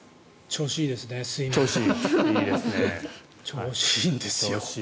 調子いいんですよ。